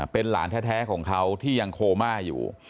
เป็นหลานแท้ของเขาที่ยังโคม่าอยู่